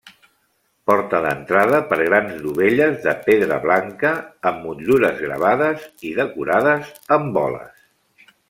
Porta d'entrada per grans dovelles de pedra blanca amb motllures gravades i decorades amb boles.